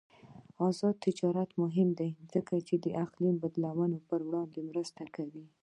آزاد تجارت مهم دی ځکه چې د اقلیم بدلون پر وړاندې مرسته کوي.